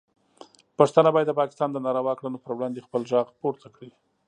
پښتانه باید د پاکستان د ناروا کړنو پر وړاندې خپل غږ پورته کړي.